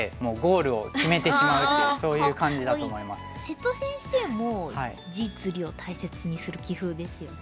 瀬戸先生も実利を大切にする棋風ですよね。